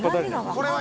これは。